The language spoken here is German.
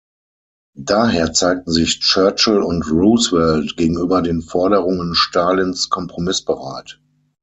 Daher zeigten sich Churchill und Roosevelt gegenüber den Forderungen Stalins kompromissbereit.